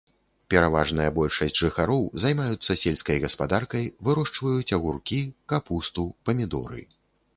Пераважная большасць жыхароў займаюцца сельскай гаспадаркай, вырошчваюць агуркі, капусту, памідоры.